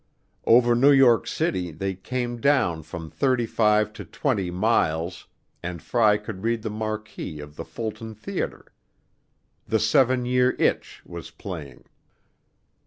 Over New York City they came down from 35 to 20 miles and Fry could read the marquee of the Fulton Theater. "The Seven Year Itch" was playing.